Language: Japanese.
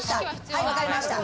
はい分かりました。